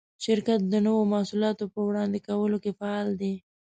شرکت د نوو محصولاتو په وړاندې کولو کې فعال دی.